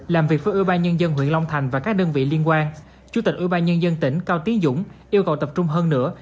làm việc với ubnd huyện long thành và các đơn vị liên quan chủ tịch ubnd tỉnh cao tiến dũng yêu cầu tập trung hơn nữa